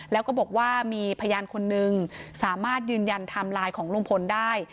แล้วก็บอกว่ามีพยานคนนึงสามารถยืนยันไทม์ไลน์ของลุงพลได้